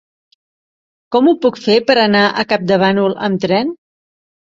Com ho puc fer per anar a Campdevànol amb tren?